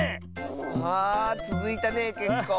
あつづいたねけっこう。